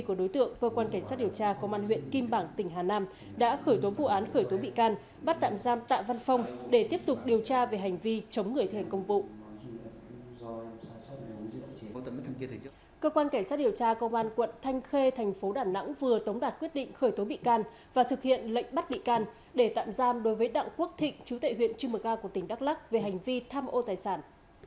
cơ quan cảnh sát điều tra công an quận thanh khê thành phố đà nẵng vừa tống đạt quyết định khởi tố bị can và thực hiện lệnh bắt bị can để tạm giam đối với đảng quốc thịnh chú tệ huyện trưng mực a của tỉnh đắk lắc về hành vi tham ô tài sản